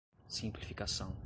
Simplificação